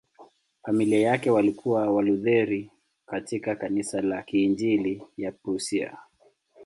Familia yake walikuwa Walutheri katika Kanisa la Kiinjili la Prussia.